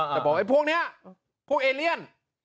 แต่บอกพวกเนี้ยพวกเอเลียน